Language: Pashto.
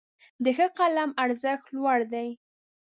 د ښه قلم ارزښت لوړ دی.